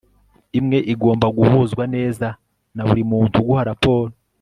imwe igomba guhuzwa neza na buri muntu uguha raporo